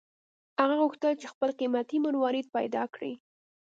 هغه غوښتل چې خپل قیمتي مروارید پیدا کړي.